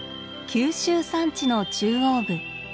九州山地の中央部。